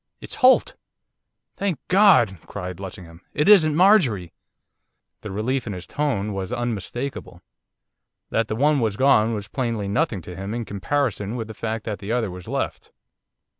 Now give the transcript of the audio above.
'It's Holt!' 'Thank God!' cried Lessingham. 'It isn't Marjorie!' The relief in his tone was unmistakable. That the one was gone was plainly nothing to him in comparison with the fact that the other was left.